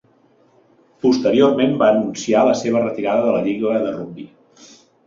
Posteriorment va anunciar la seva retirada de la lliga de Rugby.